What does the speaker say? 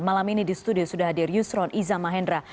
malam ini di studio sudah hadir yusron iza mahendra